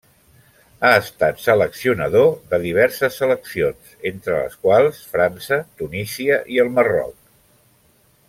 Ha estat seleccionador de diverses seleccions, entre les quals França, Tunísia i el Marroc.